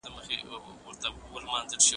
زده کوونکي تېر کال په ارامه فضا کي زده کړه کوله.